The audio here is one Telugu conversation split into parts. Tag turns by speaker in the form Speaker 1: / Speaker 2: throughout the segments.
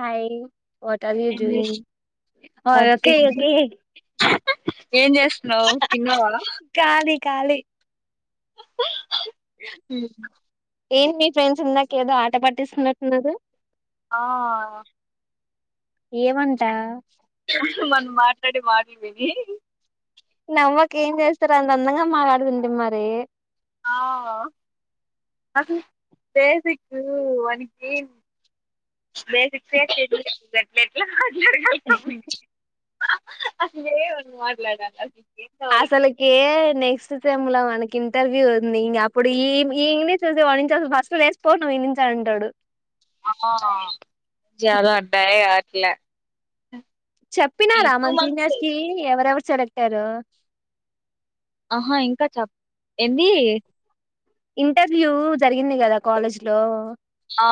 Speaker 1: హాయి వాట్ అరె యూ
Speaker 2: ఏం చేస్
Speaker 1: డూయింగ్
Speaker 2: నథింగ్ ఏం చేస్తునావ్ తిన్నావా
Speaker 1: కాలి
Speaker 2: మ్
Speaker 1: ఏంటి మీ ఫ్రెండ్స్ ఇందాకేదో ఆట పాటిస్తున్నట్న్నారు
Speaker 2: ఆ
Speaker 1: ఏమంట
Speaker 2: వాళ్లు మాట్లాడే మాట్లు విన్నీ
Speaker 1: నవ్వక ఏం చేస్తారు. అంత అందంగా మాట్లాడుతుంటే మరి.
Speaker 2: ఆ అసల్ బేసిక్కు వనికిన్ బేసిక్స్ యే తెలీదు గట్ల ఎట్ల [unintelligible] అసలే ఎమని మాట్లాడాలి ఏందో వాళ్ళకి
Speaker 1: అసలుకే నెక్స్ట్ సేమ్ముల వానిక్ ఇంటర్వ్యూ ఉంది ఇంగ అప్పుడు ఇమ్ ఇమ్ [unintelligible] ఫస్ట్ లేస్పో నువ్ ఇన్నుంచి అంటడు
Speaker 2: ఆ యాదో అట్టయే అట్లా ఈ
Speaker 1: చెప్పినారా
Speaker 2: టూ
Speaker 1: మన
Speaker 2: మంత్స్
Speaker 1: సినియర్స్ కి ఎవరివరు సెలెక్ట్ యరో
Speaker 2: ఆహా ఇంకా చెప్ ఏంది
Speaker 1: ఇంటర్వ్యూ జరిగింది గదా కాలేజ్ లో
Speaker 2: ఆ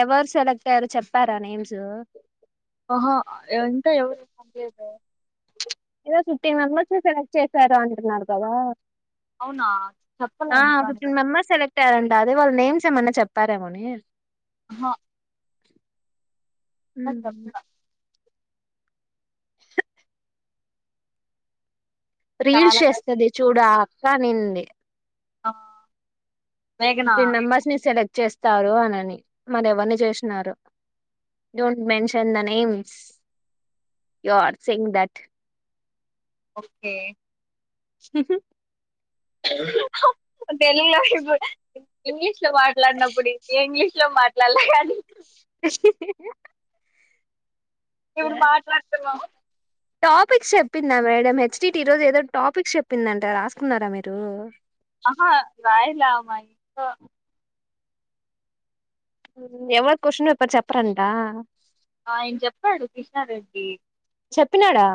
Speaker 1: ఎవరు సెలెక్ట్ అయ్యారు చెప్పారా నేమ్స్
Speaker 2: ఆహా ఎంత ఎవ్ చెప్పలేదు
Speaker 1: ఏదో ఫిఫ్టీన్ మెంబర్స్ ని సెలెక్ట్ చేశారు అంటున్నారు కదా
Speaker 2: అవునా చెప్పలా
Speaker 1: ఆ
Speaker 2: ఇంకా
Speaker 1: ఫిఫ్టీన్
Speaker 2: నేను.
Speaker 1: మెంబెర్స్ సెలెక్ ట్టారంట అదే వాళ్ నేమ్స్ ఏమన్నా చెప్పారేమో అని
Speaker 2: హా
Speaker 1: హు మ్ రీల్స్
Speaker 2: చాలా
Speaker 1: చేస్తది చూడ్ అ అక్క అనింది
Speaker 2: అ
Speaker 1: ఫిఫ్టీన్ మెంబర్స్ ని సెలెక్ట్ చేస్తారు. అనని మరి ఎవరిని చేష్ణరో don't mention the names you are saying that
Speaker 2: okay
Speaker 1: హు హు
Speaker 2: తెలీలా ఇప్ ఇంగ్లీష్ లో మాట్లాడినప్పుడు ఏ ఇంగ్లీష్ లో మాట్లాడలే గాని ఇప్పుడు మాట్లాడుతున్నాం
Speaker 1: టాపిక్స్ చెప్పిందా మేడం హెచ్ చిట్ ఈ రోజు ఏదో టాపిక్స్ చెప్పిందంట రాసుకున్నారా మీరు.
Speaker 2: ఆహా రాయలామాయింట్లో
Speaker 1: ఎవర్ కొశన్ వేపర్ చెప్పరంటా
Speaker 2: ఆయన్ చెప్పాడు కృష్ణారెడ్డి
Speaker 1: చెప్పినాడా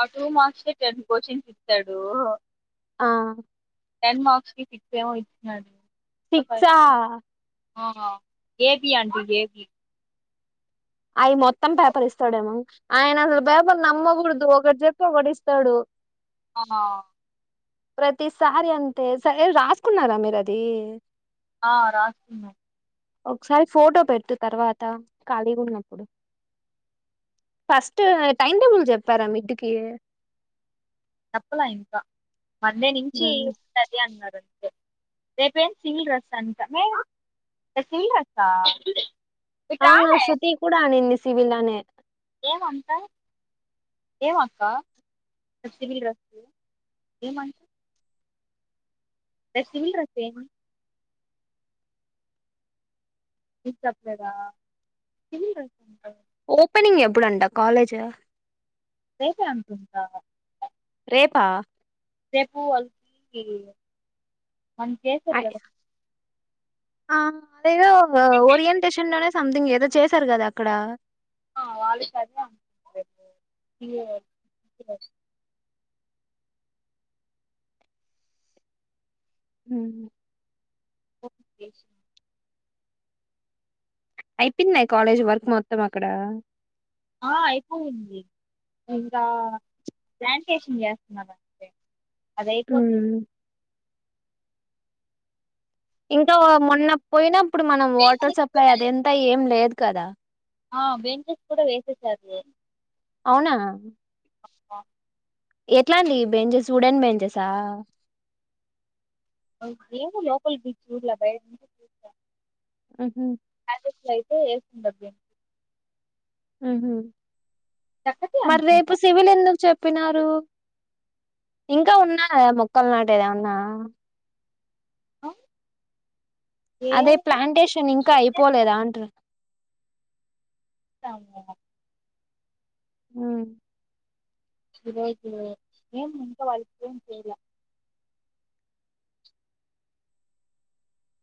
Speaker 2: ఆ టూ మార్క్స్ కె టెన్ కొశన్స్ ఇత్తాడు
Speaker 1: ఆ
Speaker 2: టెన్ మార్క్స్ కి పిక్స్ ఏమో ఇచ్చాడు.
Speaker 1: సిక్సా హ
Speaker 2: ఆహ A B and A B
Speaker 1: అవి మొత్తం పేపర్ ఇస్తాడేమో ఆయన అసలు పేపర్ నమ్మగూడదు. ఒకటి చెప్పి ఒకటి ఇస్తాడు.
Speaker 2: అహ
Speaker 1: ప్రతిసారి అంతే సరే రాసుకున్నారా మీరు అది.
Speaker 2: ఆ రాస్ కున్నం
Speaker 1: ఒకసారి ఫోటో పెట్టు తర్వాత ఖాళీ గున్నప్పుడు ఫస్ట్ టైమ్ టేబుల్ చెప్పారా మిడ్ కి
Speaker 2: తప్పలా ఇంకా మందే నించి
Speaker 1: ఉమ్.
Speaker 2: ఉంటది అన్నారు. రేపేమ్ సివిల్ డ్రెస్ అంట ఆ సివిల్ డ్రెస్సా?
Speaker 1: అవును శృతి కూడా అనింది సివిల్ అనే
Speaker 2: ఎమ్ అంట ఏమో అక్క సివిల్ డ్రెస్సు ఏమం ఎ సింగిల్ డ్రెస్ ఏమో మీకు చెప్పలేదా
Speaker 1: ఓపెనింగ్ ఎప్పుడంట కాలేజ్
Speaker 2: రేపే అనుకుంటా
Speaker 1: రేపా
Speaker 2: రేపు వాళ్ళుకి మనకి చేశార్ గదా.
Speaker 1: ఆమ్ దేదో ఓరియంటేషన్లనే సమ్థింగ్ ఏదో చేసార్ గదా అక్కడా?
Speaker 2: ఆ వాళ్ళుకదే [inaudible]
Speaker 1: ఉహ్
Speaker 2: ఓకే
Speaker 1: ఐపోయిందా ఇ కాలేజ్ వర్క్ మొత్తం అక్కడా?
Speaker 2: ఆ ఐపోయింది ఇంగా. ప్లాంటేషన్ జేస్త్నారంటె అదైపోతే
Speaker 1: ఉమ్ ఇంకో మొన్న పోయినప్పుడ్ మనం వాటర్ సప్లై అదేంతా ఎం లేద్ కదా.
Speaker 2: అ బెంచెస్ కుడ వేసేసార్ వే
Speaker 1: ఔనా
Speaker 2: [inaudible]
Speaker 1: ఎట్లాంటియి బెంజెస్ ఉడెన్ బెంచెసా?
Speaker 2: ఏమో లోపల్కీ బీచ్ చూడ్లా బైట్నుంచి చూసా.
Speaker 1: ఆ హా
Speaker 2: గిట్ల ఐతే ఏస్తుండ్డొచ్
Speaker 1: ఉహ్ మర్రేపూ
Speaker 2: అనుకుంటా
Speaker 1: సివిల్ ఎందుక్చెప్ ప్పినారు ఇంకా ఉన్నాయా మొక్కల్నాటేదెమన్నా?
Speaker 2: నో
Speaker 1: అదే ప్లాంటేషన్ ఇంకైపోలేదా అంటున్నా?
Speaker 2: సాము
Speaker 1: ఉ
Speaker 2: [unintelligible] ఏం ఇంత వరక్ ఏం చైయ్లా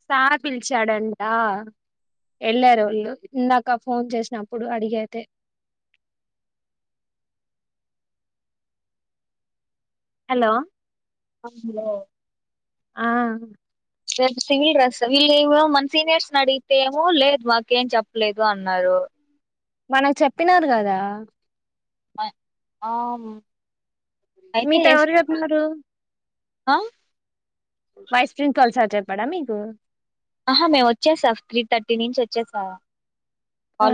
Speaker 1: సార్ పిల్చాడంటా ఎళ్ళారోళ్ళు ఇందాక ఫోన్ జేస్నప్పుడు అడిగైతే హలో
Speaker 2: అందులో
Speaker 1: ఆ
Speaker 2: సింగిల్ డ్రెస్ వీళ్ళివో ఏమో మన సినియర్స్ నడిగితేమో లేద్ మకేం చెప్ప్లేదు అన్నారు.
Speaker 1: మనగ్ చెప్పినార్ గదా.
Speaker 2: మాయ ఆమ్
Speaker 1: మీతో ఎవ్రు ఎప్పినరూ?
Speaker 2: అ
Speaker 1: వైస్ ప్రిన్ కల్సార్ చెప్పాడా మీకు?
Speaker 2: ఆహా మేమొచ్చేసా త్రీ థర్టీ నించి ఒచ్చేసా
Speaker 1: ఆ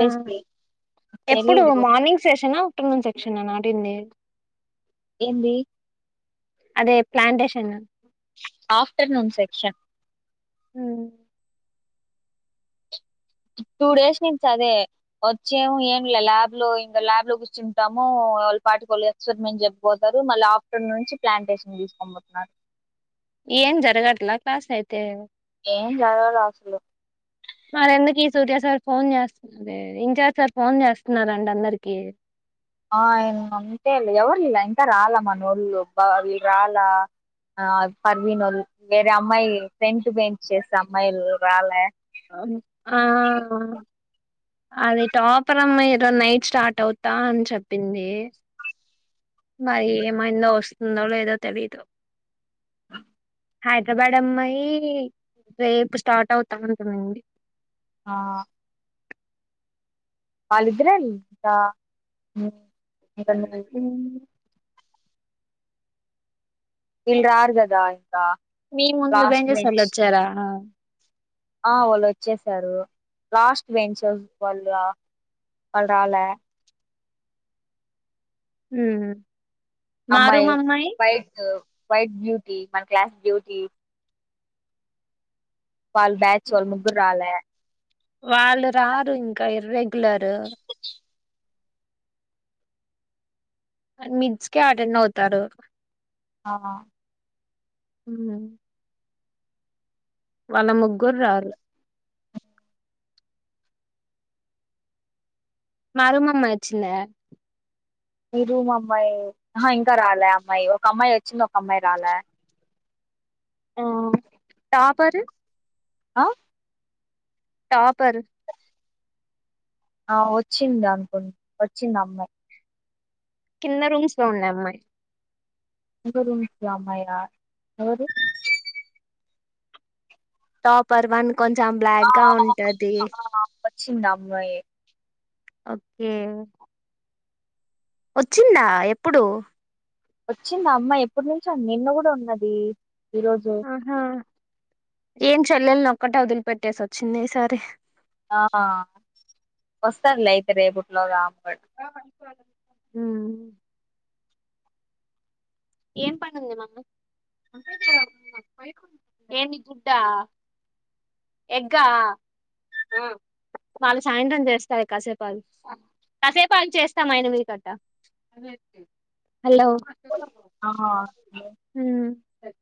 Speaker 1: ఎప్పుడు
Speaker 2: తెలీదు
Speaker 1: మార్నింగ్ సెషన? టూ ఇంసెక్షన్ నా నాటింది
Speaker 2: ఎందీ
Speaker 1: అదే ప్లాండేషను
Speaker 2: ఆఫ్టర్నూన్ సెక్షన్
Speaker 1: మ్
Speaker 2: టూ డేస్ నించదే ఒచ్చేమో ఏం లా లాబ్ లో ఇంగా లాబ్లో గుచ్చుంటాము. ఓల్ పాటి కొల్ ఎక్స్పెరిమెంట్ జెప్పోతారు. మల్లాఫ్టర్నూన్ నుంచి ప్లాంటేషన్ దీస్కోన్ఫోత్నారు.
Speaker 1: ఏం జరగట్ల క్లాసైతే
Speaker 2: ఏం జారగలా అసలు
Speaker 1: మరెందుకు ఈ సూర్య సార్ ఫోన్ జేస్త్ దా ఇన్ఛార్ సార్ ఫోన్ చేస్తన్నారంట అందరికీ
Speaker 2: ఆ ఇంగ అంతేలే ఎవర్లా ఇంకా రాల మనోళ్ళు బా వి రాల ఆ పర్వీనోళ్ వేరే అమ్మాయి ఫ్రెంట్ బెంచేసే చేసే అమ్మాయిలు రాలే.
Speaker 1: ఆ ట నైట్ స్టార్ట్ అవుతా అని చెప్పింది. మరి ఏమైందో వస్తుందో లేదో తెలియదు హైదరాబాడ్ అమ్మాయి రేపు స్టార్ట్ అవుతా అనింది
Speaker 2: ఆ వాళ్ళిద్రే గా
Speaker 1: ఉ
Speaker 2: ఇళ్ రారు గదా
Speaker 1: మీ ముందు బెంచేసొళ్ళు వచ్చారా
Speaker 2: ఆ వాళ్ళు వచ్చేసారు లాస్ట్ బెంచర్స్ వాళ్ళు వాల్ రాలే
Speaker 1: మ్మ్
Speaker 2: అమ్మాయి వైట్ వైట్ బ్యూటీ మన క్లాస్ బ్యూటీ వాళ్ళ బ్యాచ్ వాళ్ళు ముగ్గురు రాలే
Speaker 1: వాళ్ళు రారు ఇంక ఇర్రెగ్యులరు మిడ్స్ కే అటెండ్ అవుతారు
Speaker 2: ఆ
Speaker 1: హుమ్ వాళ్ళ ముగ్గురు రారు మా రూమ్ అమ్మాయి వచ్చిందా
Speaker 2: మీరూమ్ అమ్మాయి ఆహా ఇంకా రాలే అమ్మాయి ఒక అమ్మాయి వచ్చింది ఒక అమ్మాయి రాలే
Speaker 1: ఆ టాపరు
Speaker 2: ఆ
Speaker 1: టాపర్
Speaker 2: ఆ వచ్చింది అనుకుం వచ్చింది అమ్మాయి
Speaker 1: కింద రూమ్స్ లో ఉంది అమ్మయ్
Speaker 2: కింద రూమ్స్ లో అమ్మయా ఎవరు
Speaker 1: టాపర్ వన్ కొంచెం బ్లాక్ గా ఉంటది
Speaker 2: చిన్నమ్మయి
Speaker 1: ఓకే వచ్చిందా ఎప్పుడు
Speaker 2: వచ్చింది అమ్మాయి ఎప్పుటి నుంచో నిన్న కూడా ఉన్నది ఈ రోజు
Speaker 1: ఆహా ఏం చెల్లెల్ని ఒక్కటే వదిలిపెట్టేసి వచ్చింది ఈసారి
Speaker 2: ఆ వస్తాదిలే అయితే రేపుట్లోగా
Speaker 1: మ్ ఏం పనుంది మా ఏంటి గుడ్డా ఎగ్గా హ్మ్ వాళ్ళు సాయంత్రం చేస్తారు కసేపాగు కసేపాగు చేస్తాం ఆయన మీ కట్టా హలో
Speaker 2: ఆ
Speaker 1: సర్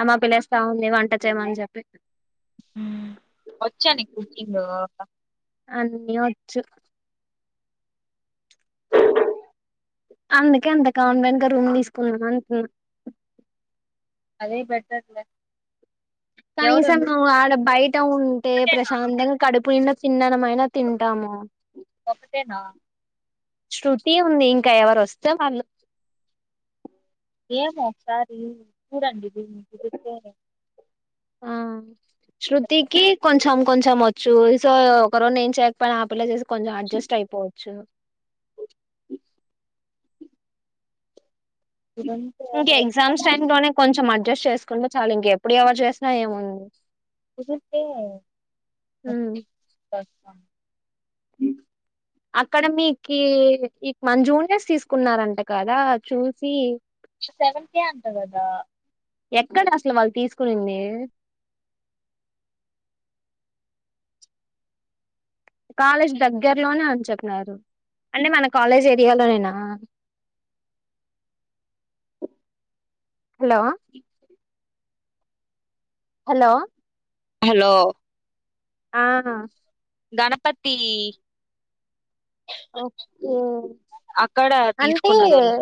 Speaker 1: అమ్మ పిల్లస్తా ఉంది వంట చేయమని చెప్పి
Speaker 2: హ్మ్ వచ్చా నిక్ కుకింగ్
Speaker 1: అన్ని వచ్చు అందుకే అంత కాన్ఫిడెంట్ గా రూమ్ తీసుకునున్న అంటున్నా
Speaker 2: అదే బెటర్లే
Speaker 1: కనీసం నువ్ ఆడ బయట ఉంటే
Speaker 2: ఒక్కటేనా
Speaker 1: ప్రశాంతంగా కడుపు నిండ తిన్నానమ అయినా తింటాము
Speaker 2: ఒక్కటేనా
Speaker 1: శృతి ఉంది ఇంకా ఎవరు వస్తే వాళ్ళు
Speaker 2: ఏమో ఒకసారి చూడండి
Speaker 1: ఆ శృతికి కొం కొంచెం కొంచెం ఒచ్చు సో ఒక రోన్ నేను చేయకపోయినా ఆపిల్లా చేసి కొంచెం అడ్జస్ట్ అయిపోవచ్చు
Speaker 2: ఇదంతా
Speaker 1: ఇంక ఇ ఎక్జామ్స్ టైమ్ లోనే కొంచెం అడ్ అడ్జస్ట్ చేసుకుంట చాలు ఇంకా ఎప్పుడు ఎవరు చేసినా ఏముంది
Speaker 2: కుదిరితే
Speaker 1: హ్మ్ అక్కడ మీకి మన జూనియర్స్ తీసుకున్నారంట కదా చూసి
Speaker 2: సెవెన్ కే అంట కదా
Speaker 1: ఎక్కడ అసలు వాళ్ళు తీసుకునింది కాలేజ్ దగ్గరలోనే అని చెప్పిన్నారు అంటే మన కాలేజ్ ఏరియాలోనేనా హలో హలో
Speaker 2: హలో
Speaker 1: ఆ
Speaker 2: గణపతి
Speaker 1: ఓకే
Speaker 2: అక్కడ
Speaker 1: అంటే
Speaker 2: తీసుకున్నదోళ్ళు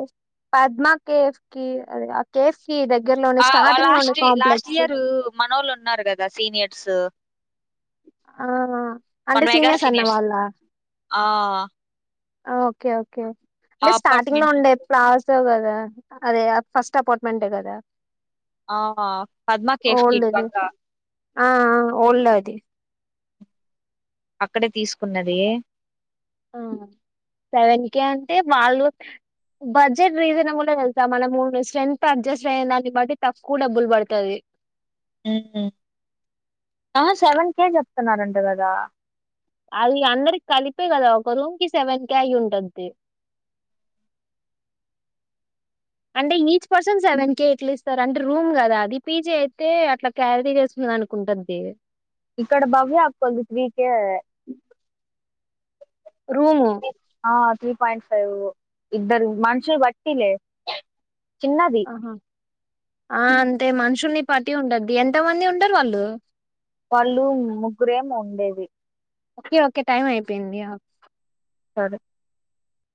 Speaker 1: పద్మా కేఫ్ కి అదికాద్ కేఫ్ కి దగ్గరలోనే స్టార్టింగ్ లోనే కాంప్లెక్స్
Speaker 2: మనోలు ఉన్నారు కదా సీనియర్స్
Speaker 1: ఆ
Speaker 2: మన
Speaker 1: అంటే
Speaker 2: మెగా
Speaker 1: అన్న
Speaker 2: సీనియర్స్
Speaker 1: వాళ్ళ
Speaker 2: ఆ
Speaker 1: ఆ ఓకే ఓకే
Speaker 2: ఆ
Speaker 1: అంటే స్టార్టింగ్ లో
Speaker 2: అపార్ట్మెంట్
Speaker 1: ఉండే ప్లాస్ ఒస్తావ్ కదా అదే ఫస్ట్ అపార్ట్మెంటే కదా
Speaker 2: ఆ పద్మా కేఫ్ కి ఇటుపక్క
Speaker 1: అ ఆ ఓళ్లాది
Speaker 2: అక్కడే తీసుకున్నది
Speaker 1: ఆ సెవెన్ కె అంటే వాళ్ళు బడ్జెట్ రీజనబుల్ వెళ్తా మనము స్ట్రెంత్ అడ్జస్ట్ అయ్యన దాన్ని బట్టి తక్కువ డబ్బులు పడుతది
Speaker 2: మ్ ఆ సెవెన్ కే చెప్తున్నారంట కదా
Speaker 1: అవి అందరికి కలిపే కదా ఒక రూమ్ కి సెవెన్ కె అయ్యి ఉంటది అంటే ఈచ్ పర్సన్ సెవెన్ కే ఎట్ల ఇస్తారు అంటే రూమ్ కదా అది పీజే అయితే అట్లా క్యాలరీ చేస్ అని అనుకుంటద్ది
Speaker 2: ఇక్కడ భవ్య అక్కొల్లది త్రీకే
Speaker 1: రూము
Speaker 2: ఆ త్రీ పాయింట్ ఫైవ్ ఇద్దరు మనుషుల్ బట్టిలే చిన్నది
Speaker 1: ఆహా! ఆ అంతే మనుషుల్ని పట్టి ఉంటది ఎంత మంది ఉండరు వాళ్ళు
Speaker 2: వాళ్ళు ముగ్గురేమో ఉండేది
Speaker 1: ఓకే ఓకే టైం అయిపోయింది యా
Speaker 2: సరే